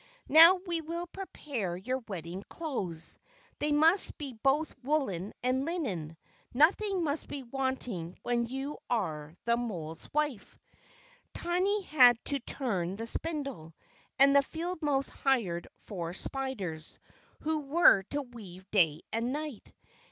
Now we will prepare your wedding clothes. They must be both woollen and linen. Nothing must be wanting when you are the mole's wife." Tiny had to turn the spindle; and the field mouse hired four spiders, who were to weave day and night.